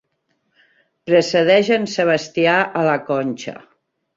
Precedeix en Sebastià a la Conxa.